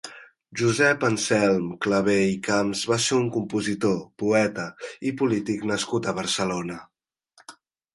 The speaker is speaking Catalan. Josep Anselm Clavé i Camps va ser un compositor, poeta i polític nascut a Barcelona.